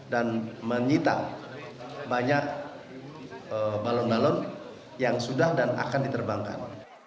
dan menyita banyak balon balon yang sudah dan akan diterbangkan